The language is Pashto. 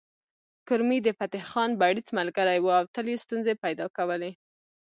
کرمي د فتح خان بړيڅ ملګری و او تل یې ستونزې پيدا کولې